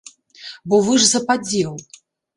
Бо вы ж за падзел.